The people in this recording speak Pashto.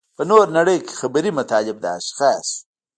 په نوره نړۍ کې خبري مطالب د اشخاصو.